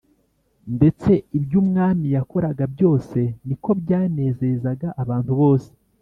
ndetse ibyo umwami yakoraga byose ni ko byanezezaga abantu bose.